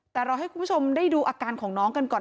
แต่เราให้คุณผู้ชมได้ดูอาการของน้องกันก่อน